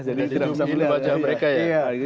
jadi tidak bisa kita baca mereka ya